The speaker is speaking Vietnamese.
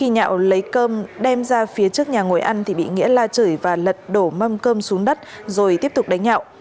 nhạo lấy cơm đem ra phía trước nhà ngồi ăn thì bị nghĩa la chửi và lật đổ mâm cơm xuống đất rồi tiếp tục đánh nhậu